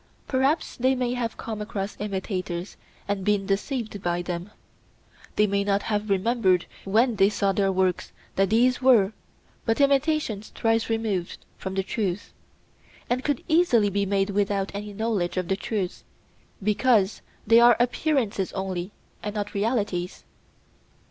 Perhaps they may have come across imitators and been deceived by them; they may not have remembered when they saw their works that these were but imitations thrice removed from the truth, and could easily be made without any knowledge of the truth, because they are appearances only and not realities?